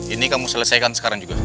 ini kamu selesaikan sekarang juga